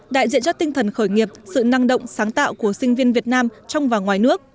đại diện cho tinh thần khởi nghiệp sự năng động sáng tạo của sinh viên việt nam trong và ngoài nước